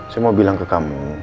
saya mau bilang ke kamu